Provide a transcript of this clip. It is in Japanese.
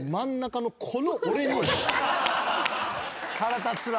腹立つな。